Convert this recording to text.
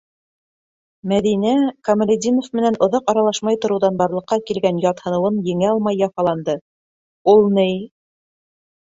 - Мәҙинә, Камалетдинов менән оҙаҡ аралашмай тороуҙан барлыҡҡа килгән ятһыныуын еңә алмай яфаланды- Ул ни...